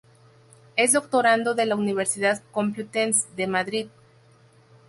Es doctorando de la Universidad Complutense de Madrid.